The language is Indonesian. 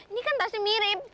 ini kan tasnya mirip